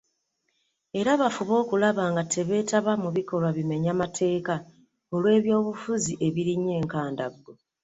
Era bafube okulaba nga tebeetaba mu bikolwa bimenya mateeka olw'ebyobufuzi ebirinnye enkandaggo.